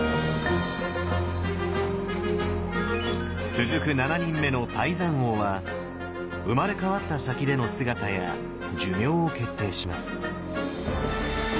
続く７人目の太山王は生まれ変わった先での姿や寿命を決定します。